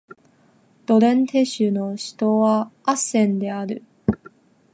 ドレンテ州の州都はアッセンである